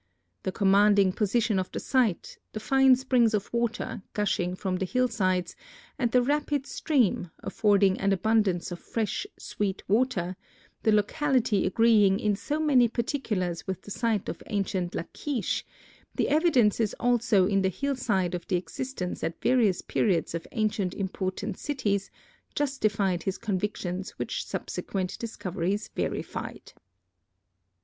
The commanding position of the site, the fine springs of water, gushing from the hillsides, and the rapid stream, affording an abundance of fresh, sweet water, the locality agreeing in so many particulars with the site of ancient Lachish, the evidences also in the hillside of the existence at various periods of ancient important cities, justified his convictions which subsequent discoveries verified.